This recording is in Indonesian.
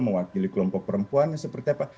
mewakili kelompok perempuannya seperti apa